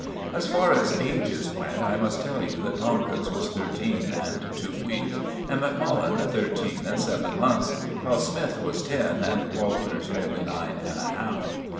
As far as ages went, I must tell you that Tomkins was thirteen and two weeks, and Macmullen thirteen and seven months, while Smythe was ten and Walters merely nine and a half.